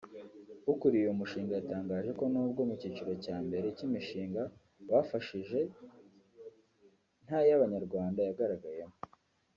ukuriye uyu mushinga yatangaje ko nubwo mu kiciro cya mbere cy’imishinga bafashije nta y’Abanyarwanda yagaragayemo